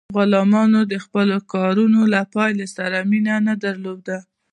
غلامانو د خپلو کارونو له پایلو سره مینه نه درلوده.